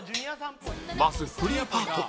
まずフリーパート